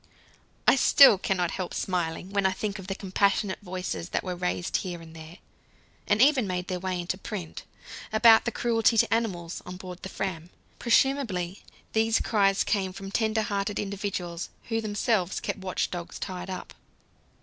I still cannot help smiling when I think of the compassionate voices that were raised here and there and even made their way into print about the "cruelty to animals" on board the Fram. Presumably these cries came from tender hearted individuals who themselves kept watch dogs tied up.